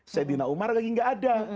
sayyidina umar lagi nggak ada